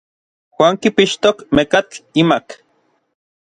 Juan kipixtok mekatl imak.